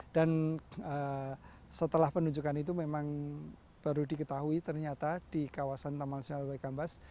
dan setelah penunjukan itu memang baru diketahui ternyata di kawasan taman nasional waikambas